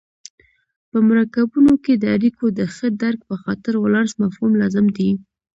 په مرکبونو کې د اړیکو د ښه درک په خاطر ولانس مفهوم لازم دی.